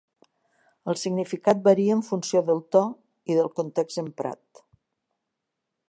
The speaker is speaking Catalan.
El significat varia en funció del to i del context emprat.